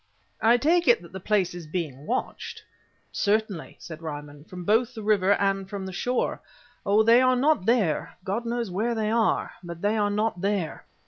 "I take it that the place is being watched?" "Certainly," said Ryman. "Both from the river and from the shore. Oh! they are not there! God knows where they are, but they are not there!"